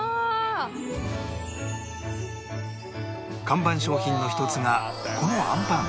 看板商品の一つがこのあんぱん